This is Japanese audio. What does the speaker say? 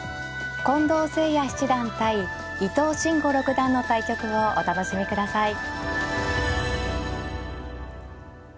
近藤誠也七段対伊藤真吾六段の対局をお楽しみください。